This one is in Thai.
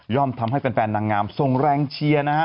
ทำให้แฟนนางงามส่งแรงเชียร์นะฮะ